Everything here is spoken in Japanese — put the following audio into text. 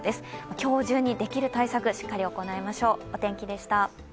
今日中にできる対策、しっかり行いましょう。